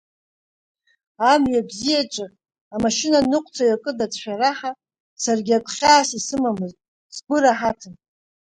Амҩа бзиаҿы, амашьына ныҟәцаҩы акы дацәшәараҳа, саргьы акы хьаас исымамызт, сгәы раҳаҭын.